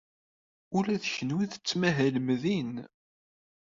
Ula d kenwi tettmahalem din?